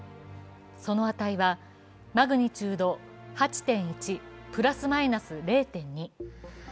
その値はマグニチュード８．１プラスマイナス０．２。